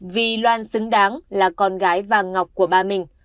vì loan xứng đáng là con gái vàng ngọc của ba mình